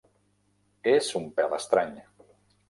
És un pèl estrany.